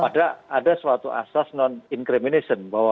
padahal ada suatu asas non incrimination bahwa